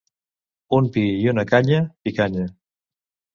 Un pi i una canya: Picanya.